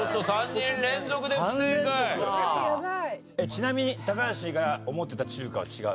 ちなみに高橋が思ってた中華は違う？